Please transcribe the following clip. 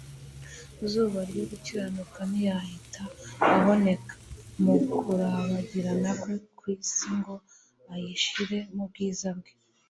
Zuba ryo gukiranuka ntiyahita aboneka mu kurabagirana kwe ku isi ngo ayishyire mu bwiza bwe.